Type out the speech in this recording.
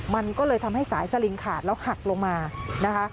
มันก็เลยทำให้สายสลิงขาดแล้วหักลงมานะคะ